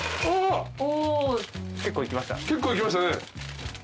結構いきましたね。